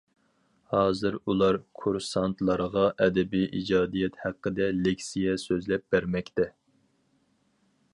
ھازىر ئۇلار كۇرسانتلارغا ئەدەبىي ئىجادىيەت ھەققىدە لېكسىيە سۆزلەپ بەرمەكتە.